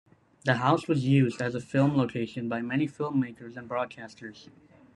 The house was used as a film location by many film-makers and broadcasters.